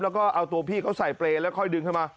และก็เอาตัวพี่เขาใส่ปเลแล้วค่อยดึงขึ้นมา